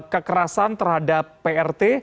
kekerasan terhadap prt